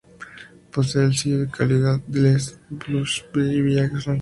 Posee el sello de calidad de "Les plus beaux villages de France".